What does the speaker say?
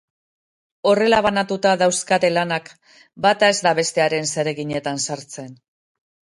Horrela banatuta dauzkate lanak, bata ez da bestearen zereginetan sartzen.